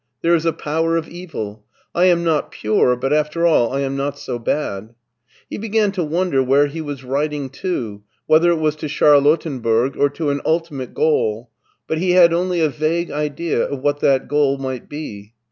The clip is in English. There is a power of evil. I am not pure, but after all I am not so bad " He began to wonder where he was riding to, whether it was to Charlottenburg or to an ultimate goal, but he had only a vague idea of what that goal might be.